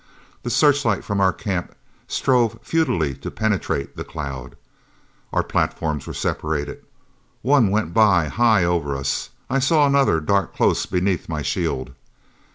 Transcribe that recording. The searchlight from our camp strove futilely to penetrate the cloud. Our platforms were separated. One went by, high over us. I saw another dart close beneath my shield.